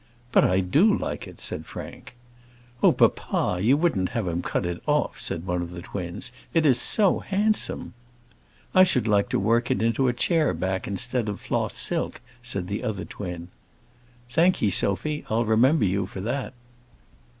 "But I do like it," said Frank. "Oh, papa, you wouldn't have him cut it off," said one of the twins. "It is so handsome." "I should like to work it into a chair back instead of floss silk," said the other twin. "Thank'ee, Sophy; I'll remember you for that."